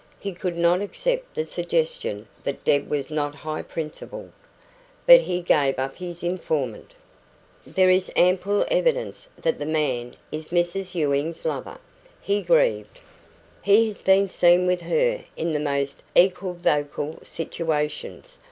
He could not accept the suggestion that Deb was not high principled. But he gave up his informant. "There is ample evidence that the man is Mrs Ewing's lover," he grieved. "He has been seen with her in the most equivocal situations.